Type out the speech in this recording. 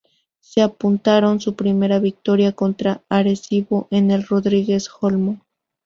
Se apuntaron su primera victoria contra Arecibo en el Rodríguez Olmo.